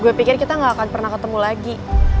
gue pikir kita gak akan pernah ketemu lagi